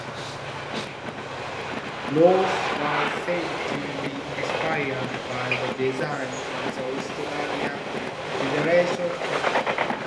Ross was said to be inspired by the design of the Australian Federation Flag.